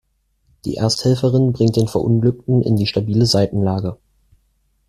Die Ersthelferin bringt den Verunglückten in die stabile Seitenlage.